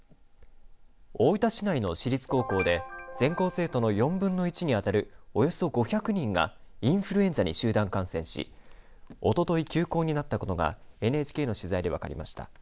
大分市内の私立高校で全校生徒の４分の１に当たるおよそ５００人がインフルエンザに集団感染しおととい休校になったことがＮＨＫの取材で分かりました。